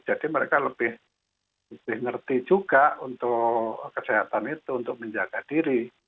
jadi mereka lebih ngerti juga untuk kesehatan itu untuk menjaga diri